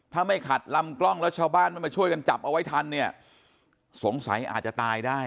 ถ้าไม่ขัดลำกล้องแล้วชาวบ้านไม่มาช่วยกันจับเอาไว้ทันเนี่ยสงสัยอาจจะตายได้